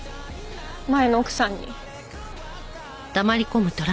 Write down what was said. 前の奥さんに。